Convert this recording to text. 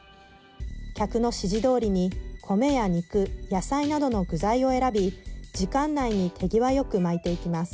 客の指示どおりに米や肉、野菜などの具材を選び時間内に手際よく巻いていきます。